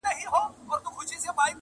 o چي نه ځني خلاصېږې، په بړ بړ پر ورځه٫